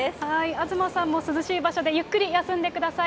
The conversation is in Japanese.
東さんも涼しい場所でゆっくり休んでください。